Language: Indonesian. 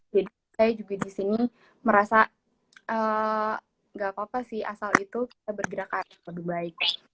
jadi saya juga di sini merasa nggak apa apa sih asal itu kita bergerak ke arah yang lebih baik